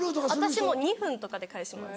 私２分とかで返します。